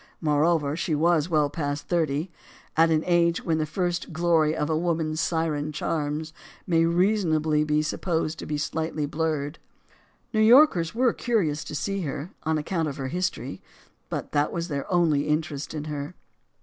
Moreover, she was well past thirty; at an age when the first glory of a woman's siren charms may reason ably be supposed to be slightly blurred. New Yorkers were curious to see her, on account of her history; but that was their only interest in her.